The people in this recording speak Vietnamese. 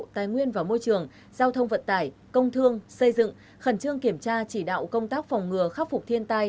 tài nguyên và môi trường giao thông vận tải công thương xây dựng khẩn trương kiểm tra chỉ đạo công tác phòng ngừa khắc phục thiên tai